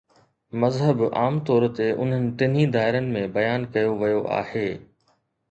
مذهب عام طور تي انهن ٽنهي دائرن ۾ بيان ڪيو ويو آهي.